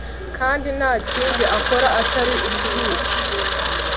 kandi ntakindi akora atari ukubica